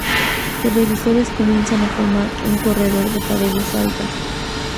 Televisores comienzan a formar un corredor de paredes altas.